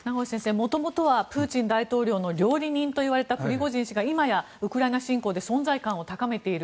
元々はプーチン大統領の料理人と言われたプリゴジン氏が今やウクライナ侵攻で存在感を高めている。